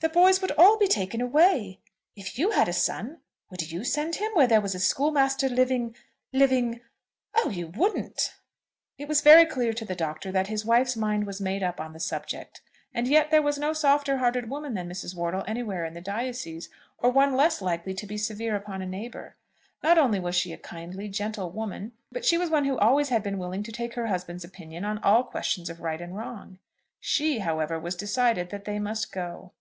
"The boys would all be taken away. If you had a son, would you send him where there was a schoolmaster living, living . Oh, you wouldn't." It is very clear to the Doctor that his wife's mind was made up on the subject; and yet there was no softer hearted woman than Mrs. Wortle anywhere in the diocese, or one less likely to be severe upon a neighbour. Not only was she a kindly, gentle woman, but she was one who always had been willing to take her husband's opinion on all questions of right and wrong. She, however, was decided that they must go.